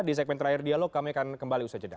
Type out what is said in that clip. di segmen terakhir dialog kami akan kembali usai jeda